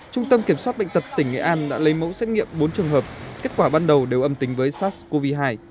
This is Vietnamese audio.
trung tâm kiểm soát bệnh tật tỉnh nghệ an đã lấy mẫu xét nghiệm bốn trường hợp kết quả ban đầu đều âm tính với sars cov hai